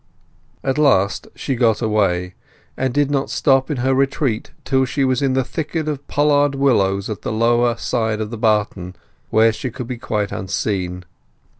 At last she got away, and did not stop in her retreat till she was in the thicket of pollard willows at the lower side of the barton, where she could be quite unseen.